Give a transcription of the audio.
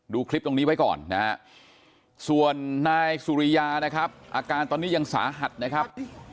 ดูคลิปตรงนี้ไว้ก่อนนะฮะส่วนนายสุริยานะครับอาการตอนนี้ยังสาหัสนะครับ